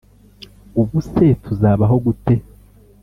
ubuse tuzabaho gute?